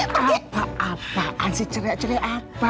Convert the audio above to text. apa apaan sih cerai cerai apa